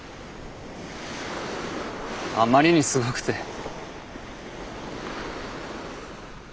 あまりにすごくて逃げた。